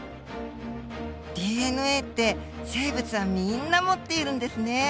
ＤＮＡって生物はみんな持っているんですね。